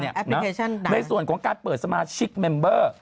ในส่วนของการเปิดสมาชิกเมมเบอร์